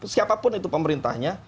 siapapun itu pemerintahnya